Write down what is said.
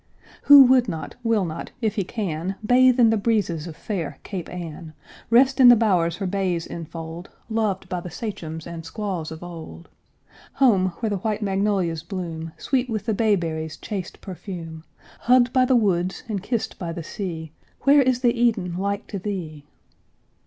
Who would not, will not, if he can, Bathe in the breezes of fair Cape Ann, Rest in the bowers her bays enfold, Loved by the sachems and squaws of old? Home where the white magnolias bloom, Sweet with the bayberry's chaste perfume, Hugged by the woods and kissed by the sea! Where is the Eden like to thee?